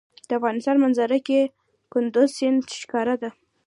د افغانستان په منظره کې کندز سیند ښکاره ده.